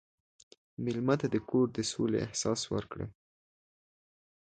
مېلمه ته د کور د سولې احساس ورکړه.